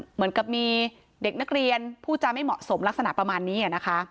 เหมือนกับมีเด็กนักเรียนผู้จาไม่เหมาะสมลักษณะประมาณนี้นะคะ